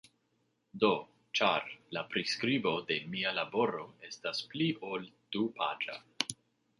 Do, ĉar, la priskribo de mia laboro estas pli ol du-paĝa.